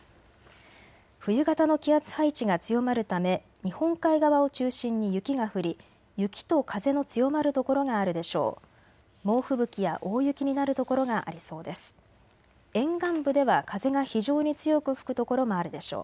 冬型の気圧配置が強まるため日本海側を中心に雪が降り雪と風の強まる所があるでしょう。